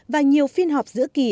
và nhiều phiên họp giữa kỳ